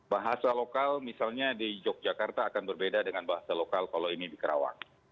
bahasa lokal misalnya di yogyakarta akan berbeda dengan bahasa lokal kalau ini di kerawang